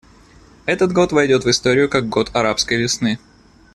Этот год войдет в историю как год «арабской весны».